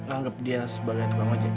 anggap dia sebagai tukang ojek